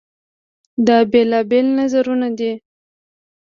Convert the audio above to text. دا بېلابېل نظرونه دي.